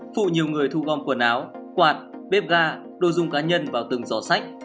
phụ nhiều người thu gom quần áo quạt bếp ga đồ dùng cá nhân vào từng giò sách